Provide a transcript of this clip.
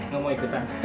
gue mau ikutan